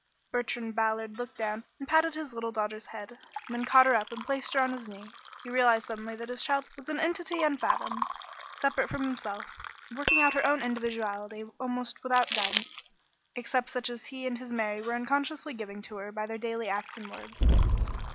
Bertrand Ballard looked down and patted his little daughter's head, then caught her up and placed her on his knee. He realized suddenly that his child was an entity unfathomed, separate from himself, working out her own individuality almost without guidance, except such as he and his Mary were unconsciously giving to her by their daily acts and words.